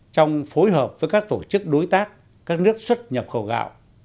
trong phối hợp với các tổ chức đối tác các nước xuất nhập khẩu gạo